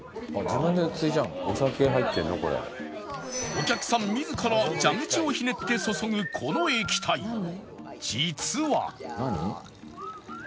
お客さん自ら蛇口をひねって注ぐこの液体実は